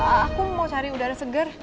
aku mau cari udara segar